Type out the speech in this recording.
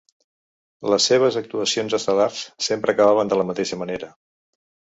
Les seves actuacions estel·lars sempre acabaven de la mateixa manera.